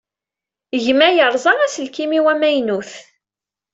Gma yerẓa aselkim-iw amaynut.